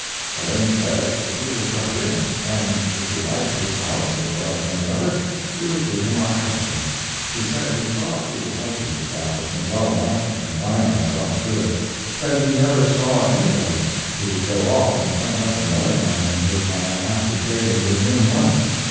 I then said we would drop in, and if we liked his house as well as any other, we would give him our custom. He said he thought we would like his establishment well enough to confine ourselves to it said he never saw anybody who would go off and hunt up another man in his line after trading with him once.